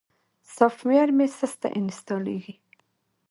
سافټویر مې سسته انستالېږي.